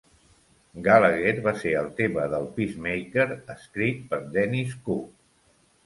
Gallagher va ser el tema del "Peacemaker", escrit per Dennis Cooke.